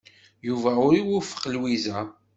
Yuba ur iwufeq Lwiza.